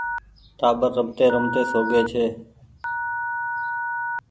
ٽآٻر رمتي رمتي سوگيئي ڇي۔